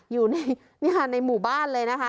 อยู่ในหมู่บ้านเลยนะคะ